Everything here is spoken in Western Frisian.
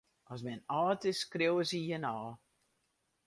Ast men âld is, skriuwe se jin ôf.